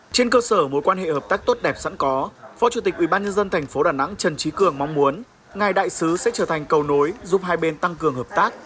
trên cơ sở mối quan hệ hợp tác tốt đẹp sẵn có phó chủ tịch ubnd tp đà nẵng trần trí cường mong muốn ngài đại sứ sẽ trở thành cầu nối giúp hai bên tăng cường hợp tác